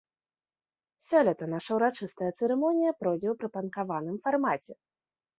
Сёлета наша ўрачыстая цырымонія пройдзе ў прыпанкаваным фармаце!